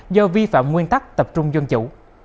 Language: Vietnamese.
do vi phạm nguyên tắc tập trung dân chủ